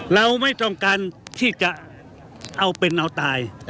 เราไม่ต้องการที่จะเอาเป็นเอาตาย